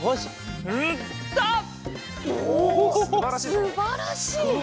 すばらしいぞ。